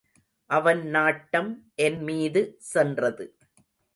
அவன் நாட்டம் என் மீது சென்றது.